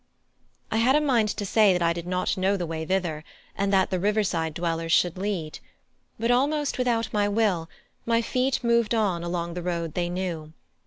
I had a mind to say that I did not know the way thither, and that the river side dwellers should lead; but almost without my will my feet moved on along the road they knew.